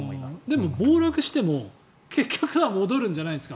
でも、暴落しても結局は戻るんじゃないですか。